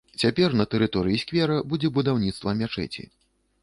Цяпер на тэрыторыі сквера ідзе будаўніцтва мячэці.